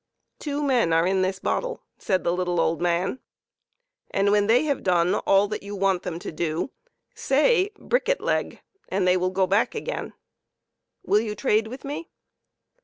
" Two men are in this bottle," said the little old man ;" when they have done all that you want them to do, say ' brikket ligg ' and they will go back again. Will you trade with me?"